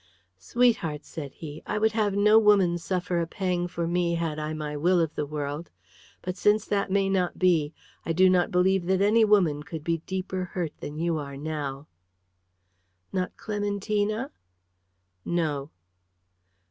"Sweetheart," said he, "I would have no woman suffer a pang for me had I my will of the world. But since that may not be, I do not believe that any woman could be deeper hurt than you are now." "Not Clementina?" "No."